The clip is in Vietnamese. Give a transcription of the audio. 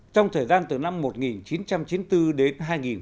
trong thời gian từ năm một nghìn chín trăm chín mươi bốn đến hai nghìn một mươi